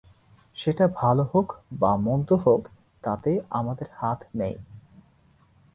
সেটা ভালো হোক বা মন্দ হোক তাতে আমাদের হাত নেই।